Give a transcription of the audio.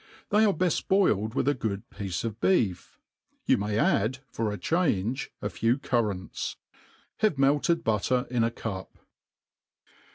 They are beft boiled with a good t>iece of beef; Yoii may add^ for change^ a ftw curnuitii« »>^ Have melted butter in a Clip.